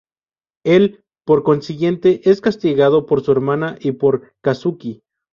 Él, por consiguiente, es castigado por su hermana y por Kazuki.